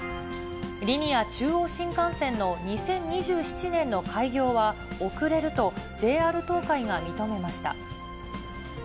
リニア中央新幹線の２０２７年の開業は、遅れると、ＪＲ東海が認めました。